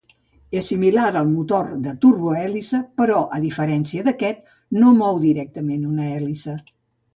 És similar al motor de turbohèlice però, a diferència d'aquest, no mou directament una hèlice.